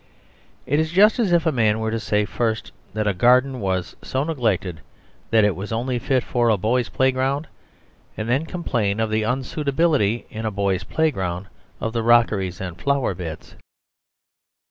It is just as if a man were to say first that a garden was so neglected that it was only fit for a boys' playground, and then complain of the unsuitability in a boys' playground of rockeries and flower beds.